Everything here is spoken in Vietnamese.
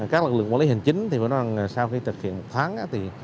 các lực lượng quản lý hình chính sau khi thực hiện một tháng